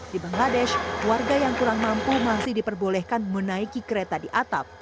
di bangladesh warga yang kurang mampu masih diperbolehkan menaiki kereta di atap